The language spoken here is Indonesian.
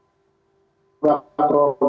ada di menengah menengah kebawah bawah